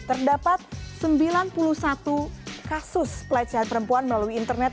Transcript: terdapat sembilan puluh satu kasus pelecehan perempuan melalui internet